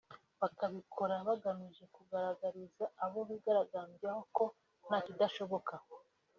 bakabikora bagamije kugaragariza abo bigaragambyaho ko nta kidashoboka